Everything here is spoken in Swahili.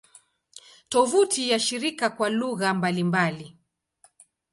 Tovuti ya shirika kwa lugha mbalimbali